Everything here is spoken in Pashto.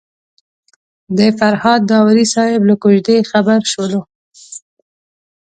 د فرهاد داوري صاحب له کوژدې خبر شولو.